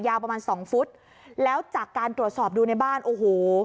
ประมาณสองฟุตแล้วจากการตรวจสอบดูในบ้านโอ้โห